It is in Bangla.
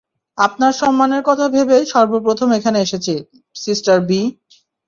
আপনার সম্মানের কথা ভেবেই সর্বপ্রথম এখানে এসেছি, সিস্টার বি।